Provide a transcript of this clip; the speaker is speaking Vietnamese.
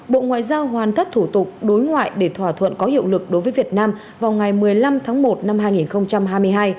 bộ ngoại giao hoàn thất thủ tục đối ngoại để thỏa thuận có hiệu lực đối với việt nam vào ngày một mươi năm tháng một năm hai nghìn hai mươi hai